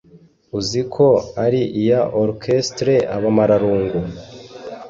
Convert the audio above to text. uzi ko ari iya Orchestre Abamararungu.